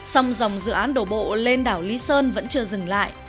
song dòng dự án đổ bộ lên đảo lý sơn vẫn chưa dừng lại